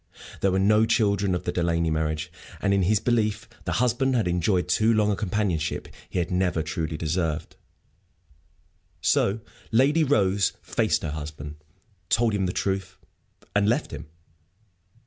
There were no children of the Delaney marriage; and in his belief the husband had enjoyed too long a companionship he had never truly deserved. So Lady Rose faced her husband, told him the truth, and left him.